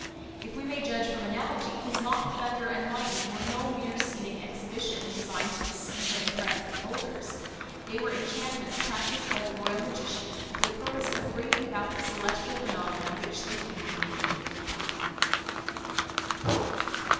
If we may judge from analogy, his mock thunder and lightning were no mere scenic exhibition designed to deceive and impress the beholders; they were enchantments practised by the royal magician for the purpose of bringing about the celestial phenomena which they feebly mimicked.